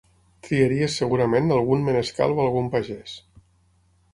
Triaries segurament algun menescal o algun pagès.